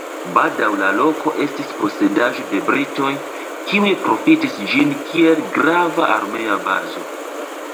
Baldaŭ la loko estis posedaĵo de britoj, kiuj profitis ĝin kiel grava armea bazo.